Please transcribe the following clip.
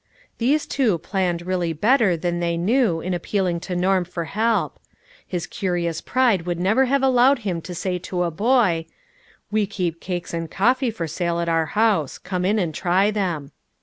These two planned really better than they knew in appealing to Norm for help. His curious pride would never have allowed him to say to a boy, " We keep cakes and coffee for sale at our house ; come in and try them."